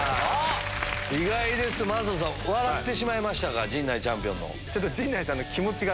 意外です魔裟斗さん笑いましたか陣内チャンピオンの。